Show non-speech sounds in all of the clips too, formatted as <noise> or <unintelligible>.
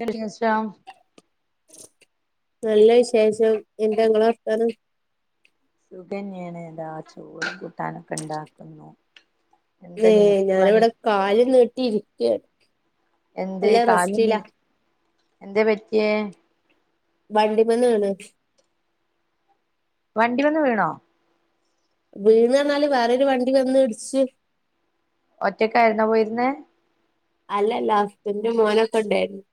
വിശേഷം നല്ല വിശേഷം എന്തങ്ങള വർത്താനം സുകന്യണ് ഏതാ ആ ചോറും കൂട്ടാനൊക്കെ ഉണ്ടാക്കുന്നു ഏ എന്താ നിനക്ക് പണി ഞാനിവിടെ കാല് നീട്ടി ഇരിക്കയാണ് എന്ത് കാല നീ എന്താ പറ്റിയേ വണ്ടിമന്ന് വീണ് വണ്ടി മന്ന് വീണോ വീണ് ന്ന്പറഞ്ഞാല് വേറൊരു വണ്ടി വന്ന് ഇടിച്ചു ഒറ്റക്ക ആയിരുന്നോ പോയിരുന്നേ അല്ലല്ല ഹസ്ബന്റ്‌ മോനൊക്കെ ഉണ്ടായിരുന്നു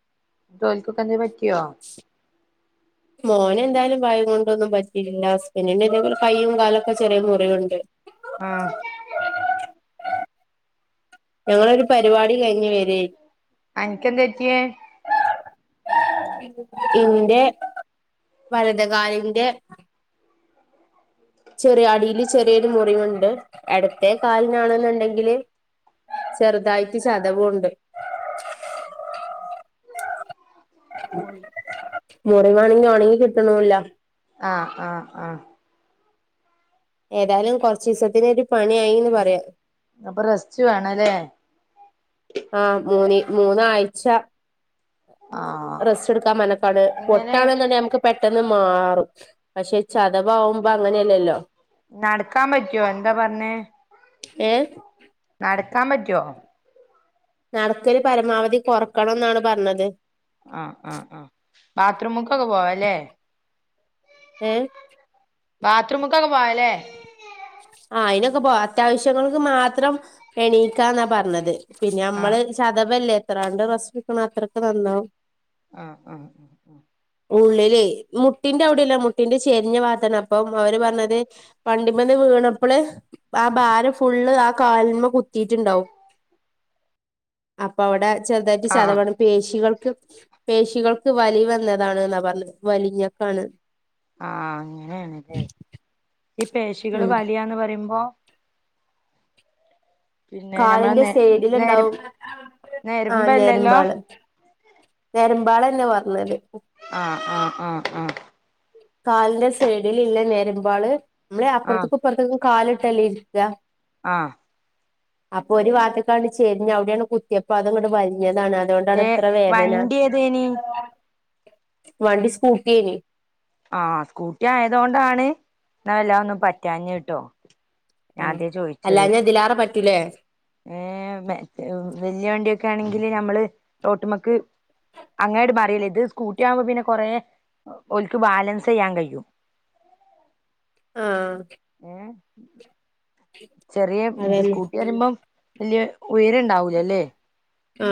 ഉ മോനെ എന്തായാലും ഭാഗ്യം കൊണ്ടൊന്നും പറ്റിയിട്ടില്ല ഹസ്ബൻഡറിന്റെ ഇതേപോലെ കയ്യയും കാലൊക്കെ ചെറിയ മുറിവുണ്ട് ആഹ ഞങ്ങളൊരു പരിപാടി കഴിഞ്ഞ് വരിയെയ്നി അൻക്കെന്ത പറ്റിയേ ഇന്റെ വലത്കാലിന്റെ ചെറിയ അടിയില് ചെറിയൊരു മുറിവുണ്ട് എടത്തെ കാലിനാണെന്നുണ്ടെങ്കില് ചെറുതായിട്ട് ചതവുണ്ട് മുറിവാ ആണെങ്കി ഒണങ്ങി കിട്ടണില്ല ആഹ് ആഹ ആഹ ഏതായാലും കുറച്ച ദിവസത്തിന് ഒരു പണിയ ആയിന്ന് പറയാം അപ്പൊ റസ്റ്റ് വേണല്ലേ ആഹ് മൂന്ന് മൂന്നാഴ്ച ആഹ് റെസ്റ്റ് എടുക്കാൻ പറഞ്ഞ്ക്കാണ് എങ്ങനെ പൊട്ടാണെന്നുണ്ടെ നമുക്ക് പെ പെട്ടെന്ന് മാറും പക്ഷെ ചതവവുമ്പോ അങ്ങനെയല്ലല്ലോ നടക്കാൻ പറ്റുവോ എന്താ പറഞ്ഞേ ഏ നടക്കാൻ പറ്റോ നടക്കല് പരമാവധി കൊറക്കണം ന്നാണ് പറഞ്ഞത് ആ ആ ആ ബാത്ത്റൂമ്ക്കൊക്കെ പോവാല്ലേ ഏ ബാത്ത്റൂമക്കൊക്കെ പോവാലേ ആ അതിനൊക്കെ പോ അത്യാവശ്യങ്ങൾക്ക് മാത്രം എണീക്കാ ന്നാ പറഞ്ഞത് പിന്നെ ആഹ് നമ്മള് ചതവല്ലേ എത്രണ്ട് റസ്റ്റ് ട്‌ക്ക്ണോ അത്രക്ക് നന്നാവും ആ ആ ഉള്ളില് മുട്ടിന്റെ അവിടെല്ല മുട്ടിന്റെ ചെരിഞ്ഞ ബാത്താണ് അപ്പം അവര് പറഞ്ഞത് വണ്ടി ഇ വീണപ്പോള് ആ ഭാരം ഫുള്ള് ആ കാൽമ കുത്തിട്ടുണ്ടാവും അപ്പൊ അവിടെ ചെറുതായിട്ട് ആഹ് ചതവാണ് പേശികൾ പേശികൾക്ക് വലി വന്നതാണ് ന്ന പറഞ്ഞത് വലിഞ്ഞക്കാണ് ആ അങ്ങനെണ് ല്ലേ ഈ പേശികള് ഉം വലിയാന്ന് പറയുമ്പോ പിന്നെ ഞമ്മളെ കാലിന്റെ നെ സൈഡിലു നേര ണ്ടാവും ആ നെരമ്പല്ലല്ലോ ഞരുമ്പാള് നെരമ്പാളല്ല പറഞ്ഞല് ആ ആ കാലിന്റെ സൈഡിൽ ഇല്ല നേരുമ്പാള് നമ്മളെ അപ്പുറത്തേക്കുപ്പുറത്തെക്കു കാലിട്ടല്ലേ ഇരിക്ക ആ അപ്പൊ ഒരു വാത്ത്ക്കാണ്ട് ചെരിഞ്ഞ് അവിടെങ്ങട്ട് കുത്തിയപ്പോ അതങ്ങട്ട് വലിഞ്ഞ <inaudible> അതാണ് അതോണ്ടാണ് ഏ ഇത്ര വേദന വണ്ടി ഏതേനി വണ്ടി സ്കൂട്ടിയേനി ആ സ്കൂട്ടി ആയതോണ്ടാണ് എന്ന എല്ലാം ഒന്നും പറ്റാഞ്ഞ കട്ടോ ആ അല്ലാഞാ ഇതിലാറ പറ്റൂലേ ഏ വ വല്ല്യാ വണ്ടിയൊക്കെ ആണെങ്കില് നമ്മള് റോട്ട്മക്ക് അങ്ങനട്ട് മറിയല്ലേ ഇത് സ്കൂട്ടി ആവുമ്പോ പിന്നെ കൊറേ ഓല്ക്ക് ബാലൻസ് ചെയ്യാൻ കഴിയും <inaudible> ആ ഏ ചെറിയ ഇത് അതന്നെ സ്കൂട്ടി പറയുമ്പം വല്യ ഉയരുണ്ടാവില്ലല്ലേ ആ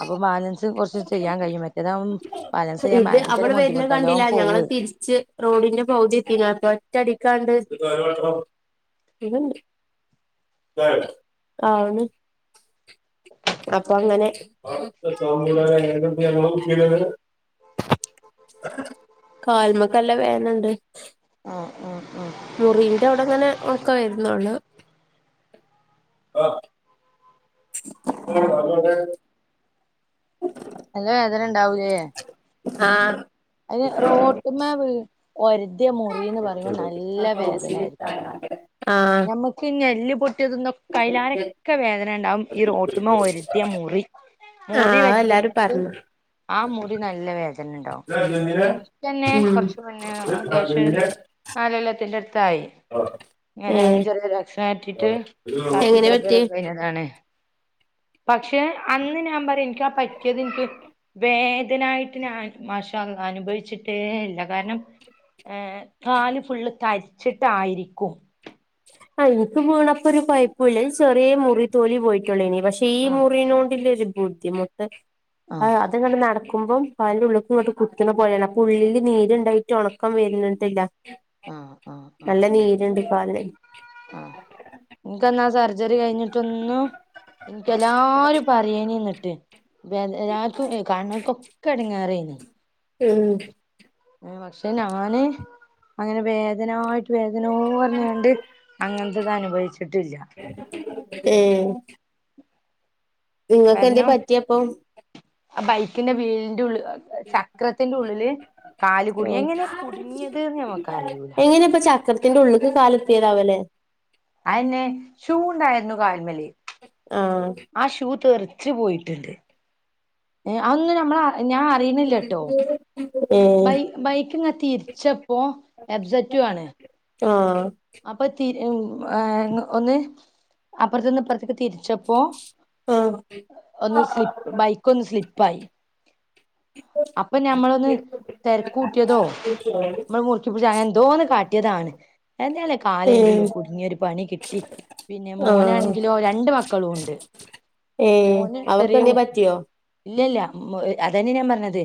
അപ്പൊ ബാലൻസ് കുറച്ച് ചെയ്യാൻ കഴിയും മറ്റേതാവുമ്പോ ബാലൻസ് ചെയ്യാൻ ഭയങ്കര ബുദ്ധിമുട്ട ല്ലോണം പോവത് ച്ച് റോഡിന്റെ പൗതി എത്തി ഒറ്റടി കണ്ട് ഇതണ്ട് ആണ് അപ്പൊ അങ്ങനെ കാൽമക്കല്ലം വേദനണ്ട് ആഹ് ആഹ് ആഹ് മുറിന്റെ അവിടെ അങ്ങനെ ഒണക്കം വരുന്നുള്ളു <inaudible> <inaudible> നല്ല വേദനണ്ടാവും ലേ ആ അയിന് റോട്ട്മേ വീണ് ഒരുതിയ മുറിന്ന് പറയുമ്പോ നല്ല വേദന ആയിരിക്കും ഞമ്മക്ക് എല്ല് പൊട്ടിയതന്നൊ ആഹ് കായിലാരെക്കെ വേദന ഉണ്ടാവും ഈ റോട്ടുമ്മ ഒരത്തിയ മൂറി ആഹ് മുറി അതെല്ലാരും വറ്റണെങ്കിൽ പറഞ്ഞു ആ മുറി നല്ലവേദ ണ്ടാവും എനിക്കന്നെ ഉം കൊറച്ച് മുന്നേ അത്യാവശ്യം നാലോല്ലത്തിന്റെ അടു ത്തായി ഇങ്ങനെ ഏഹ് ചെറിയ ഒരു മാറ്റിട്ട് പ്ലാസ്റ്റിക് എങ്ങനെ സർജറി പറ്റി ഒക്കെ കഴിഞ്ഞതാണ് പക്ഷെ അന്ന് ഞാൻ പറയും എനിക്കാ പറ്റിയത് ഇനിക്ക് വേദനായിട്ട് ഞാൻ മാഷഅല്ലാഹ് അനുഭവിച്ചിട്ടേ ഇല്ല കാരണം ഏർ കാല് ഫുള്ള് തരിച്ചിട്ടായിരിക്കും ആ എനിക്ക് വീണപ്പൊ ഒരു പൈപ്പില്ല ചെറിയ മുറി തൊലി പോയിട്ടുള്ളു ഇനി പക്ഷെ ഈ ആഹ് മുറീനൊണ്ട് രു ബുദ്ധിമുട്ട് ആഹ് അതെ നട കുക്കുമ്പോം പല ഉള്ളക്കും ഇങ്ങോട്ട് കുത്തുന്ന പോലെയാണ് അപ്പൊ ഉള്ളില് നീരുണ്ടായിട്ട് ഉണക്കം വരുന്നട്ടില്ല. ആഹ് നല്ല നീരുണ്ട് കാല് ആഹ ക്ക് എന്നാ സർ ചറി കഴിഞ്ഞിട്ടൊന്ന് എനക്ക് എല്ലാരും പറയേനിന്നിട്ട്. രാ കണ്ണക്കൊക്കെ ഇടങ്ങേറേന് ഉം.. പക്ഷെ ഞാന് അങ്ങനെ വേദനായിട്ട്. ഇതിനോ പറഞ്ഞോണ്ട് അങ്ങനത്തെ ഇത് അനുഭവിച്ചിട്ടില്ല. എ ഏഹ്.. നിങ്ങൾക്ക് എന്ത കാരണം പറ്റിയപ്പം. ന്റെ വീടിന്റെ ഉള്ളി ചക്രത്തിന്റെ ഉള്ളില്. കാല് കുടിങ്ങി ആഹ് എങ്ങനെ കുടുങ്ങിയതെന്ന് നമ്മക്ക് അറിയൂല. എങ്ങനെ ഇപ്പൊ ചക്രത്തിന്റെ ഉള്ളില് കാല് എത്തിയതാവല്ലേ. അയന്നെ ഷൂണ്ടായിരുന്നു കാല്മ്മല്. ആഹ് ആ ഷൂ തെറിച്ച് പോയിട്ട്ണ്ട് ഏ അതൊന്നും നമ്മള ഞാൻ അറിയണില്ലട്ടോ. ഏഹ് ബൈ ബൈക്ക് ഇങ്ങെ തിരിച്ചപ്പോ എബ്സറ്റുആണ് ആഹ അപ്പൊ തിരി ഒന്ന് അപ്പുറത്തൊന്ന് ഇ പ്പുറത്തേക്ക് തിരിച്ചപ്പോ. ആഹ് ഒന്ന് സ്ലിപ്പ് ബൈക്ക് ഒന്ന് സ്ലിപ്പായി. അപ്പൊ ഞമ്മളൊന്ന് തെരക്ക് കൂട്ടിയതോ നമ്മൾ മുറക്കിപ്പടിച്ച അ എന്തോ കാട്ടിയതാണ് എന്താലേ കാലേന്റെ ഉ ള്ളു ഏഹ് കുടുങ്ങിയ ഒരു പണി കിട്ടി. പിന്നെ ആഹ് മോനാണെങ്കിലോ രണ്ട് മക്കളും ഉണ്ട്. ഏഹ് മോന് ചെറിയ അവർക്കെന്തേ കുട്ടി പറ്റിയോ ഇല്ലല്ല. അതന്നെ ഞാൻ പറഞ്ഞത്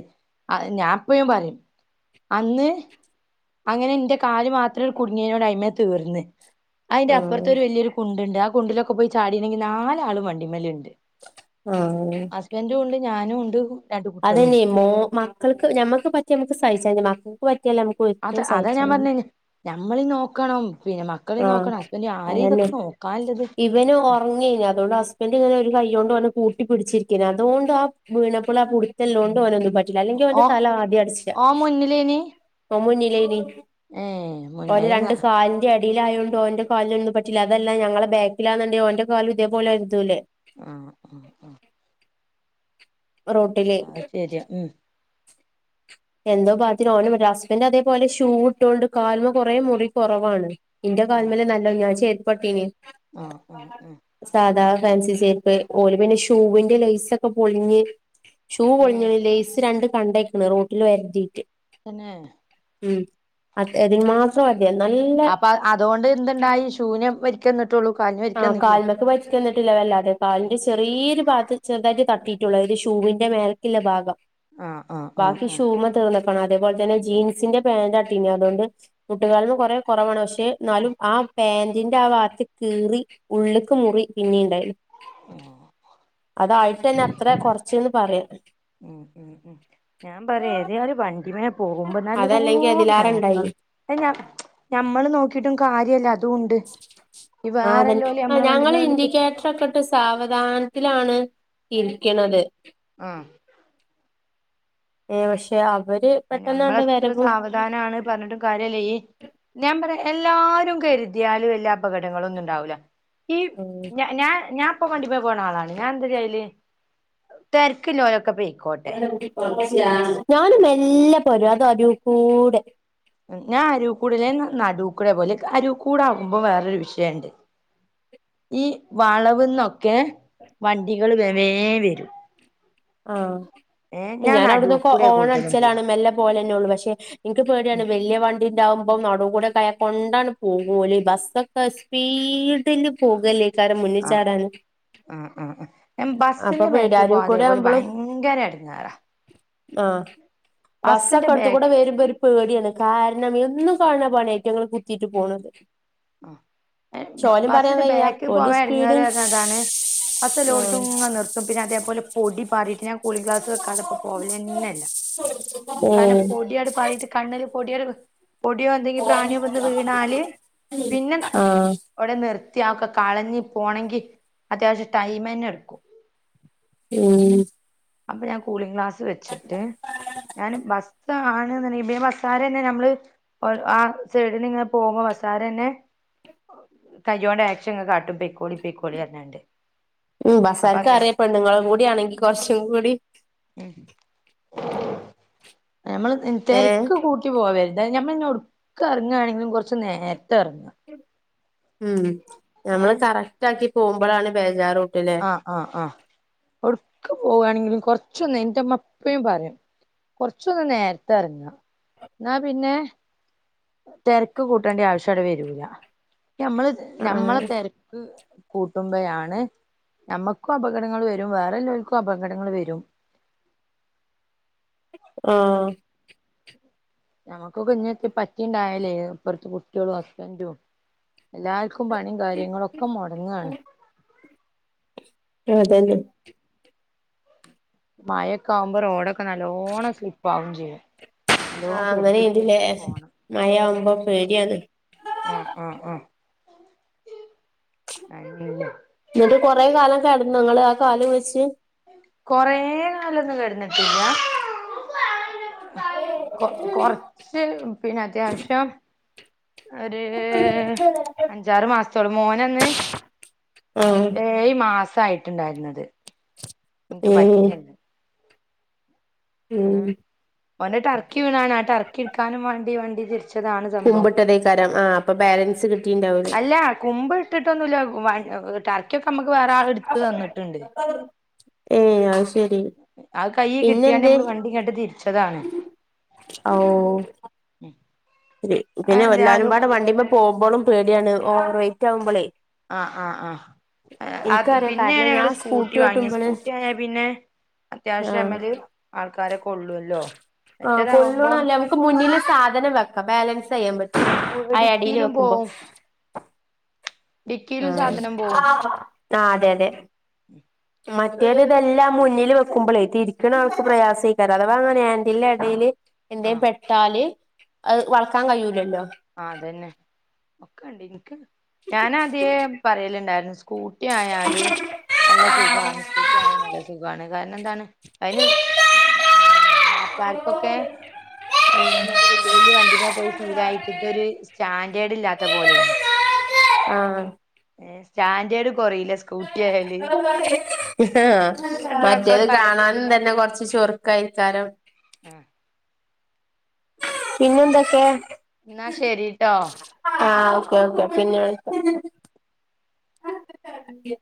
ഞാൻപ്പഴും പറയും അന്ന്. അങ്ങനെ എന്റെ കാര് മാത്രം കു നോട് അയ്മ തീർന്ന് അതിന്റെ ആഹ് അപ്പുറത്ത് ഒരു വലിയൊരു കുണ്ടുണ്ട് ആ കുണ്ടിലൊക്കെ പോയി ചാടീണെങ്കിൽ നാലാളും വണ്ടിമലുണ്ട്. ആ ഞാനും ഉണ്ട്. രണ്ട് കുട്ടികളും ഉണ്ട്. അതന്നെയ മോ മക്കൾക്ക് ഞമ്മക്ക് പറ്റി നമുക്ക് സഹിച്ച മക്കൾക്ക് പറ്റി അത അതാ ഞാൻ പറഞ്ഞ ഞമ്മളീ നോക്കണം പിന്നെ മ ആ അതന്നെ ഇവന് ഉറങ്ങെന് അതുകൊണ്ട് ഹസ്ബൻഡ് ഇങ്ങനെ ഒരു കൈയ്യോണ്ട്. കൂട്ടിപ്പിടിച്ചിരിക്കേനി അതുകൊണ്ട് ആ വീണപ്പിള ആ പുടുത്തല്ലോണ്ട് ഓനൊന്നു പറ്റി ല്ലാ അല്ലെങ്കി ഓ ഓന്റെ തല ആദ്യ അടിച്ചാ ഓ മുന്നിലേനി ഓ മ്മുന്നിലേനി ഏ <unintelligible> ടിയിലായോണ്ടോ ഓന്റെ കാലിലൊന്നും പറ്റില്ല അതല്ല ഞങ്ങളെ ബാക്കിലാന്നണ്ടേ ഓന്റെ കാലും ഇതേ പോലെ ഒരദൂലെ. ആ ആ ആ റോട്ടിലെ അത് ശരിയാ ഉം എന്തോ ഭാഗ്യത്തിന് ഓന് <unintelligible> ഹസ്ബൻഡറ് അതേപോലെ ഷൂട്ടൊണ്ട് കാൽമ കുറേ മുറി കുറവാണ് ഇന്റെ കാൽമ്മല് നല്ലോ ഞാൻ ചെരി പ്പാട്ടീ നേ ആ ആ ആ ഫാൻസിചെര്പ്പ് ഓല് പിന്നെ ഷൂവിന്റെ ലൈസെക്കൊ പൊളിഞ്ഞ് ഷൂ ഏ പൊളിഞ്ഞ്ണ് ലയ്സ് രണ്ട് കണ്ടയ്ക്ക്ണ് റോട്ടിൽ ഒര്തീട്ട് തന്നെ ഉം അ അതിന് മാത്രം ഒര് അപ്പൊ അതുകൊണ്ട് എന്തുണ്ടായി ഷൂ നേ പരിക്കന്ന് ആകാൽമക്ക് പരിക്ക് വന്നിട്ടില്ല വല്ലാതെ കാലിന്റെ ചെറിയൊരു ഭാത്ത് ചെറുതായിട്ട് തട്ടിട്ട് ട്ടെ ള്ളു അയില് ഷൂവിന്റെ മേലക് ല്ല ഭാഗം ആ ആ ആ ബാക്കി ആ ഷൂമ്മ തീർന്ന ണം അതേപോലെ തന്നെ ജീൻസിന്റെ പാന്റാട്ടീ നേ അതൊണ്ട് മുട്ടുകാല് മ്മ കുറെ കുറവാണ് പക്ഷെ ട്ട് ന്നാലും ആ പാന്റിന്റെ ആ ഭാത്ത് കീറി ഉള്ള്ക്ക് മുറി പിന്നി ണ്ടായിണ് അതായിട്ട്ന്നെ അത്ര കുറച്ച്ന്ന് പറയാ ഉം ഉം ഉ ഞാൻ പറയാ ഏതാലും വണ്ടി മ്മെ പോകുമ്പോ നല്ലോ അതല്ലെങ്കിൽ അതിലേറെ നോക്കണ്ണം ഉണ്ടായിനി അഹ് ഞമ്മള് നോക്കിട്ടും കാര്യല്ല അതും ഉണ്ട് ഈ ആതന്നെ വേറെല്ലോല് ആ നമ്മളെ ഞങ്ങള് വണ്ടിമേ വന്ന് കു ഇൻഡിക്കേറ്റർ ഒക്കെ ഇട്ട് സാവധാനത്തി ലാണ് ഇരിക്ക്ണത് ആ ഏ പക്ഷെ അവര് അ പെട്ടെന്നാണ്ട് ഞമ്മളെത്ര വരവും സാവധാനാണ് പറഞ്ഞിട്ടും കാര്യല്ല ഈ ഞാൻ പറയാ എല്ലാരും കരുതിയാലും എല്ലാ അപകടങ്ങള ഒന്നും ഉണ്ടാവൂല്ല ഈ ഞാ ഞാ ഇപ്പ വണ്ടിമ്മ പോണ ആളാണ് ഞാൻ എന്ത ചെയ്യല് തെര്ക്ക്ല്ലോലൊക്കെ പോയ് ഞാന് മെല്ലെപോരും അതൊ അരൂകൂടെ ഞാൻ അരുക്കൂടല്ല ഞാ നടൂക്കൂടെ പോല് അരുക്കൂട ആകുമ്പം വേറെരു വിഷയണ്ട് ഈ വളവ്ന്നൊക്കെ വണ്ടികള് വേ വേ വരും ആ ഏ ഞാൻ അവിട്ന്നൊക്കെ ഓണടിച്ചാലാണ് മെല്ലെ പോലെന്നെള്ളൂ പക്ഷെ ഇൻക്ക് പേടിയാണ് വല്യയവണ്ടി ഉണ്ടാവുമ്പം നടൂകൂടെ ക്കായാ കൊണ്ടണ്ട് പോക്കൂ ഓല് ബസ്സൊക്കെ സ്പീഡില് പോകല്ലേ ആ ആ ആ ഞാൻ അപ്പൊ ബസ്സിന്റെ പേടി ബേക്ക് പോകാതെ ഓല് ഭയങ്കര എട് ങ്ങേ റാ ബസ്സിന്റെ ആബസ്സൊക്കെ എടുത്ത്കൂടെ ബേക്ക് വരുമ്പോ ഒരു പേടിയാണ് കാരണം എന്നും കാണ് ണപണിയാ ഇതി റ്റങ്ങള് കുത്തീട്ട് പോണത് പക്ഷെ ഓലിം പറയാൻ വയ്യ ബസ്സിന്റെബേക്ക് ഓല് പോവാൻ ഇടങ്ങേറ് സ്പീഡിൽ റഞ്ഞാതാണ് ബസ്സ് ആഹ് എല്ലോട്തും ങ്ങനിർത്തും പിന്നെ അതേപോലെ പൊടി <unintelligible> കൂളി ഗ്ലാസ് വെക്കാതെ ഇപ്പം പോവലെ ന്നെ ഇല്ല കാരണം ഉം പൊടി യങ്ങാട്ട് പാറീട്ട് കണ്ണ് ല് പൊടിയ പൊടിയോ എന്തെങ്ക പ്രാണിയോ വ വീണാല് ആഹ് പിന്നെവിട കൃത്യൊക്കെ കളഞ്ഞി പോണമെങ്കിൽ അത്യാവശ്യം ടൈമ തന്നെ എടുക്കും ഉം അപ്പൊ ഞാൻ കൂളിംഗ ഗ്ലാസ് വെച്ചിട്ട് ഞാന് ബസ് ആണ് ഇ ബസ്സാര തന്നെ നമ്മള് ആ സൈഡിന ഇങ്ങനെ പോവുമ്പോ ബസാരന്നേ <inaudible> കോണ്ട് ആക്ഷങ് കാട്ടും പെയക്കോളി പേക്കോളി പറഞ്ഞാണ്ട് ഉം അപ്പൊ ബസർക്ക് അങ്ങനെ അറിയപ്പ നിങ്ങളും കൂടി ആണെങ്കി കൊറച്ചും കൂടി ഉം ഞമ്മള് ഏഹ് തിരക്ക് കൂട്ടി പോവരുതായത് നമ്മൾ ഇന്നെ ഒടുക്ക ഇറങ്ങായാണെങ്കിലും കുറച്ച് നേരത്തെ ഇറങ്ങും ഉം നമ്മള് ഏഹ് കറക്റ്റ് ആക്കി പോകുമ്പോഴാണ് ബേജാറും ആഹ് ആഹ് ആഹ് എവിടക്ക പോകവാണെങ്കിലും കൊറച്ചൊന്ന് എന്റെ അമ്മ എപ്പയും പറയും കൊറച്ചൊന്ന് നേരത്തെ ഇറങ്ങാ എന്നാ പിന്നെ തിരക്ക് കൂട്ടേണ്ടി ആവശ്യവിടെ വരൂല്ല ഞമ്മള് ആഹ് ഞമ്മളെ തിരക്ക് കൂട്ടുമ്പയാണ് നമ്മുക്കും അപകടങ്ങൾ വരും വേറെല്ലാവർക്കും അപകടങ്ങൾ വരും ആ നമ്മക്കൊ കുഞ്ഞ പറ്റിണ്ടായല്ലേ ഇപ്പറത്തെ കുട്ടികളും ഹസ്ബൻറും എല്ലാക്ക ക്കും പണിയും കാര്യങ്ങളൊക്കെ മുടങ്ങാണ് ആഹ അത് തന്നെ മഴൊക്കെ ആകുമ്പോ റോഡൊക്കെ നല്ലവോണം സ്ലിപ്പ് ആകും ചെയ്യും നല്ലോണം ആഹ അങ്ങനെ കരുതി ഇണ്ടല്ലേ കരുതി പോണം മഴ ആവുമ്പോ പേടിയന്ന് അ കാൽ വച്ച് കൊറെ നാലൊന്നും കടുന്നിട്ടില്ല കൊ കൊറച്ച് പിന്നെ അത്യാവശ്യം ഒരു അഞ്ചാറ് മാസത്തോളു മോനന്ന് ആഹ ആയിട്ടുണ്ടായിരുന്നത് നിൻക്ക് ഏഹ് പറ്റിയല്ലെ ഉം ഓൻ ടർക്കി വീണാണ് ആ ടർക്കി ഇടുക്കാനും വണ്ടി വണ്ടി തിരിച്ചതാണ് സംഭവം കുമ്പിട്ടതേക്കാരം ആഹ് അപ്പൊ ബാലൻസ് കിട്ടിണ്ടാവൂല അല്ല കുമ്പ് ഇട്ടിട്ടൊന്നുമല്ല ക്കെ നമുക്ക് വേറെ ആൾ എടുത്ത് തന്നിട്ടുണ്ട് ഏഹ് അത് ശെരി ആ കൈ കിട്ടിയാൽ പിന്നെന്തേ നമ്മള് വണ്ടി ഇങ്ങട്ട് തിരിച്ചതാണ് ഔ ഉം പിന്നെ എല്ലാരുംപാട് വണ്ടിമ്മ പോകുമ്പോളും പേടിയാണ് ഓവർ വെയറ്റ് ആകുമ്പോളേ ആഹ് ആഹ് ആഹ് അത് ഇൻക്കറിയാം കാരണം പിന്നെയാണ് ഞങ്ങള് ഞാൻ സ്കൂട്ടി വാങ്ങിയത് ഓട്ടുമ്പള് സ്കൂട്ടി വാങ്ങാ പിന്നെ ആഹ് അത്യാവശ്യമ്മൽ ആൾകാ ആ കൊള്ളണംല്ലേ നമുക്ക് മുന്നില സാധനം വെക്ക ബാലൻസ് അയ്യാൻ പറ്റും ആ എടിൽ ഡിക്കിയിലും വെക്കുമ്പോ പോവും ഡിക്കിയിലും ഉ സാധനം ആ പോവും അതെ അതെ മറ്റേരു ഇതെല്ലാം മുന്നിൽ വെക്കുമ്പോളേ തിരിക്കണ അവൾക്ക് പ്രയാസം ഏയ്കാരം അഥവാ അങ്ങനെ ആന്റിൽന്റെ ഇടയിൽ എന്തേും ആഹ് പെട്ടാല് അത് വളക്കാൻ കഴിയൂലല്ലോ ആ അതന്നെ ഒക്കെണ്ട് എനിക്ക് ഞാന ആദ്യേ പറയലുണ്ടായിരുന്നു സ്കൂട്ടി ആായാല് നല്ല സുഖമാണ് സ്കൂട്ടി ആണ നല്ല സുഖമാണ് കാരണം എന്താണ് അതിന് ആക്കാർക്കൊക്കെ ഇങ്ങനത്തെ വല്ല്യ വല്ല്യ വണ്ടിമ്മേ പോയി ഷീലായി ഇതൊരു സ്റ്റാൻഡേർഡ് ഇല്ലാത്ത പോലെയാണ് ആ സ്റ്റാൻഡേർഡ് കുറല്ല സ്കൂട്ടി ആയാല് രണ്ട് ആമറ്റേത് മക്കളൊക്കെ ആയപ്പോ കാണാനും പിന്നെ തന്നെ കൊറച്ച് ചുറുക്കായിക്കാരം ആ പിന്നെന്തൊക്കെ എന്നാ ശരിട്ടോ ആ ഓക്കെ പിന്നെ വിളി